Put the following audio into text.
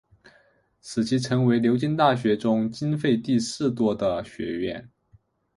使其成为牛津大学中经费第四多的学院。